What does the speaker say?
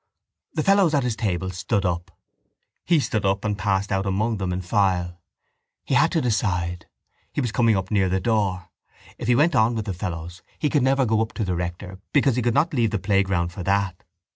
The fellows at his table stood up. He stood up and passed out among them in the file. He had to decide. He was coming near the door. If he went on with the fellows he could never go up to the rector because he could not leave the playground for that.